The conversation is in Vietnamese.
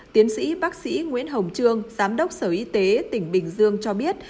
tiến sĩ bác sĩ nguyễn hồng trương giám đốc sở y tế tỉnh bình dương cho biết